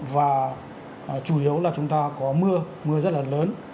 và chủ yếu là chúng ta có mưa mưa rất là lớn